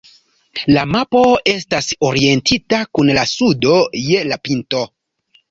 La mapo estas orientita kun la sudo je la pinto.